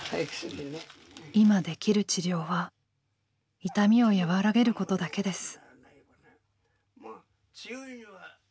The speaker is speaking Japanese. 今できる治療は痛みを和らげることだけです。